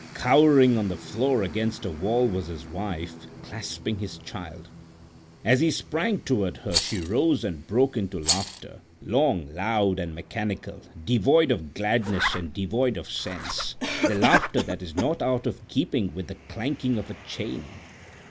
Cowering on the floor against a wall was his wife, clasping his child. As he sprang toward her she rose and broke into laughter, long, loud, and mechanical, devoid of gladness and devoid of sense—the laughter that is not out of keeping with the clanking of a chain.